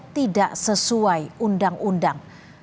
tidak sesuai undang undang